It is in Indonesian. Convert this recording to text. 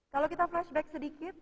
kalau kita flashback sedikit